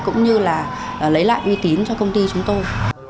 cũng như là lấy lại uy tín cho công ty chúng tôi